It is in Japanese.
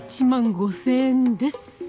８万５０００円です！